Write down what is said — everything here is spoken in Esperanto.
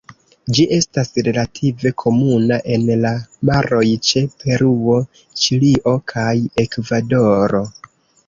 Ĝi estas relative komuna en la maroj ĉe Peruo, Ĉilio kaj Ekvadoro.